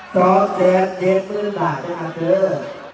สองแสนเยฟฟื้นหลากจังหาเตอร์